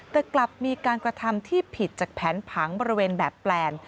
แต่กลับมีการกระทำที่ผิดจากแผนผังบริเวณแบบแปลน